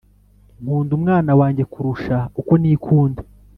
Nkunda umwana wanjye kurusha uko nikunda